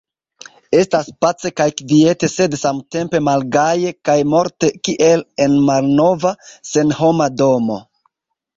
Estas pace kaj kviete sed samtempe malgaje kaj morte kiel en malnova, senhoma domo.